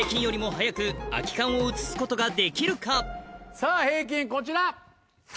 さぁ平均こちら。